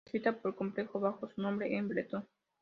Escrita por completo bajo su nombre en bretón.